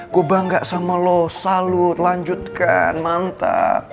gue bangga sama lo salut lanjutkan mantap